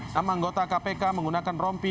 nama anggota kpk menggunakan rompi